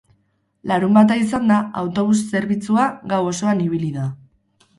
Larunbata izanda, autobus zerbitzua gau osoan ibili da.